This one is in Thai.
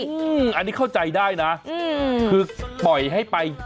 อืมอันนี้เข้าใจได้นะ